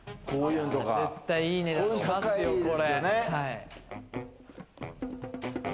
絶対いい値段しますよ、これ。